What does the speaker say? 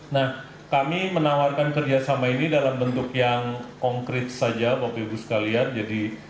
nah kami menawarkan kerjasama ini dalam bentuk yang konkret saja